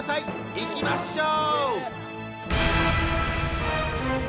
いきましょう！